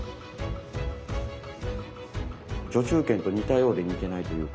序中剣と似たようで似てないというか。